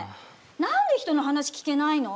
なんで人の話聞けないの？